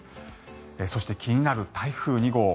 そして、気になる台風２号。